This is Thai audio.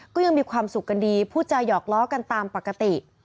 ก็ยังมีความสุขกันดีพูดจาหยอกล้อกันตามปกติ